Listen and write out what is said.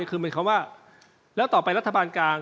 คือหมายความว่าแล้วต่อไปรัฐบาลกลาง